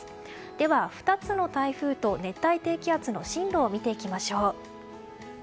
では、２つの台風と熱帯低気圧の進路を見ていきましょう。